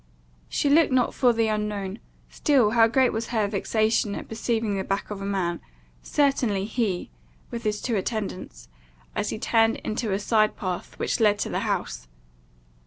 She looked not for the unknown, still how great was her vexation at perceiving the back of a man, certainly he, with his two attendants, as he turned into a side path which led to the house!